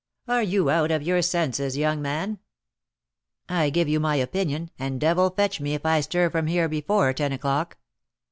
"Are you out of your senses, young man?" "I give you my opinion, and devil fetch me if I stir from here before ten o'clock."